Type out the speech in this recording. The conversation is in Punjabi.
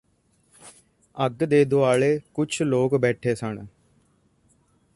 ਅੱਗ ਦੇ ਦੁਆਲੇ ਕੁਝ ਲੋਕ ਬੈਠੇ ਸਨ